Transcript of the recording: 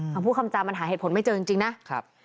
คำพูดคำจามันหาเหตุผลไม่เจอจริงนะครับ